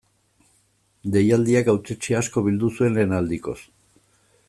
Deialdiak hautetsi asko bildu zuen lehen aldikoz.